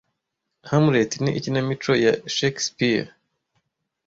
Hamlet ni ikinamico ya Shakespeare.